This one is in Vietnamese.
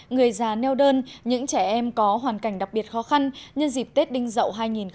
người già neo đơn những trẻ em có hoàn cảnh đặc biệt khó khăn nhân dịp tết đinh dậu hai nghìn hai mươi